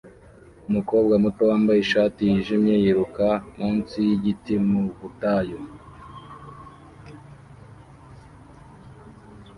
Umukobwa muto wambaye ishati yijimye yiruka munsi yigiti mu butayu